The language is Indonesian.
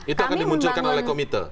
itu akan dimunculkan oleh komite